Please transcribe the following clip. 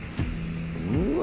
うわ！